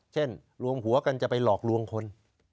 เช่นรวมหัวกันจะไปหลอกรวมคน